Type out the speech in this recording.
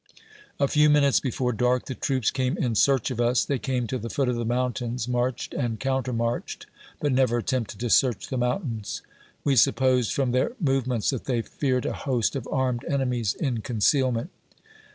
A few minutes before dark, the troops came in search of us. They came to the foot of the mountain s, march ed and counter marched, but never attempted to search the mountains; we supposed from their movements that they fear ed a host of armed enemies in concealment.